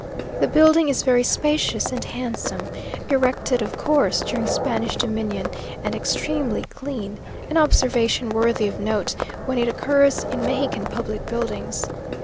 The building is very spacious and handsome; erected, of course, during Spanish dominion, and extremely clean an observation worthy of note, when it occurs in Mexican public buildings.